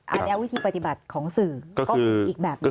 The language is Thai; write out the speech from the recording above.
อาจารย์วิธีปฏิบัติของสื่อก็มีอีกแบบหนึ่งค่ะ